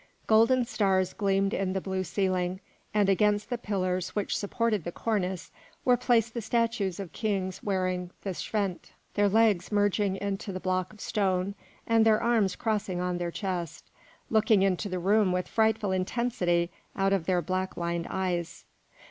Golden stars gleamed in the blue ceiling, and against the pillars which supported the cornice were placed the statues of kings wearing the pschent, their legs merging into the block of stone and their arms crossed on their chest, looking into the room with frightful intensity out of their black lined eyes.